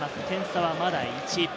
点差はまだ１。